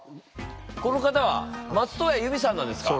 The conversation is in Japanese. この方は松任谷由実さんなんですか！？